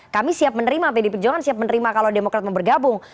kami siap menerima pd perjuangan siap menerima kalau demokrat mau bergabung